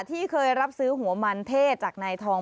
ที่เคยรับซื้อหัวมันเทศจากนายทอง